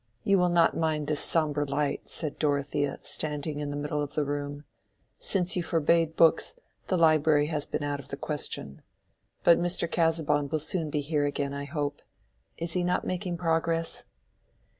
"You will not mind this sombre light," said Dorothea, standing in the middle of the room. "Since you forbade books, the library has been out of the question. But Mr. Casaubon will soon be here again, I hope. Is he not making progress?"